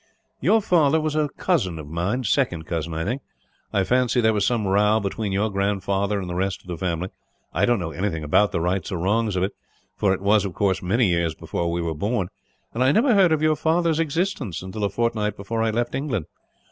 "Your father was a cousin of mine second cousin, I think. I fancy there was some row between your grandfather and the rest of the family. I don't know anything about the right or wrongs of it; for it was, of course, many years before we were born; and I never heard of your father's existence, until a fortnight before I left England.